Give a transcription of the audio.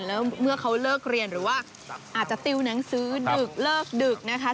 แล้วเมื่อเขาเลิกเรียนหรือว่าอาจจะติวหนังสือดึกเลิกดึกนะคะ